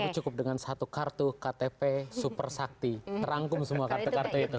cukup dengan satu kartu ktp super sakti terangkum semua kartu kartu itu